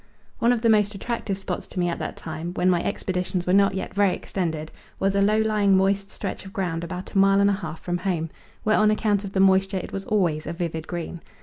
One of the most attractive spots to me at that time, when my expeditions were not yet very extended, was a low lying moist stretch of ground about a mile and a half from home, where on account of the moisture it was always a vivid green.